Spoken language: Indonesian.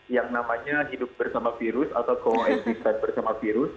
yang namanya hidup bersama virus atau co existe bersama virus